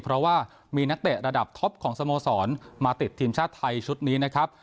เพราะว่ามีนักเตะระดับท็อปของสโมสรมาติดทีมชาติไทยชุดนี้นะครับ